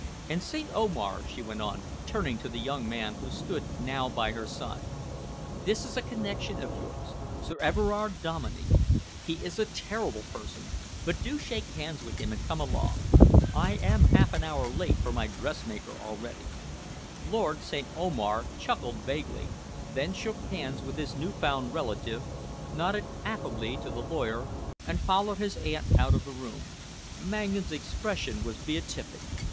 And, St. Omar," she went on, turning to the young man who stood now by her side, "this is a connection of yours Sir Everard Dominey. He is a terrible person, but do shake hands with him and come along. I am half an hour late for my dressmaker already." Lord St. Omar chuckled vaguely, then shook hands with his new found relative, nodded affably to the lawyer and followed his aunt out of the room. Mangan's expression was beatific.